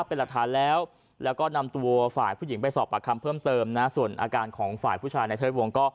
ตอนหน่อยได้รู้อ่ะปกติบอกว่าวิ่งหนูจัง